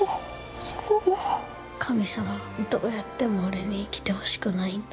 神様はどうやっても俺に生きてほしくないんだ。